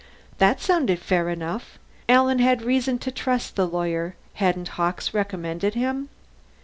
That sounded fair enough. Alan had reason to trust the lawyer; hadn't Hawkes recommended him?